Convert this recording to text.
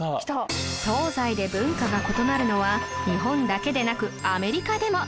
東西で文化が異なるのは日本だけでなくアメリカでも